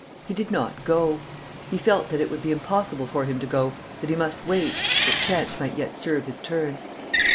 He did not go. He felt that it would be impossible for him to go, that he must wait, that chance might yet serve his turn.